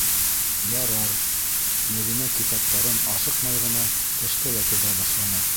Ярар, - Мәҙинә китаптарын ашыҡмай ғына кәштәгә теҙә башланы.